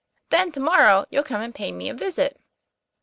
Then to morrow you'll come and pay me a visit."